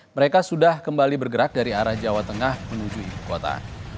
mereka sudah kembali bergerak dari arah jawa tengah menuju ibu kota